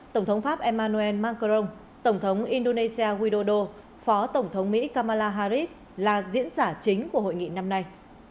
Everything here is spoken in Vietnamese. tổng thống pháp emmanuel macron tổng thống indonesia widodo phó tổng thống mỹ kamala harris là diễn giả chính của hội nghị năm nay